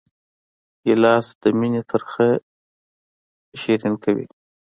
ګیلاس د مینې ترخه شیرین کوي.